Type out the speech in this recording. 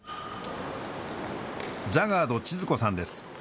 ジャガード千津子さんです。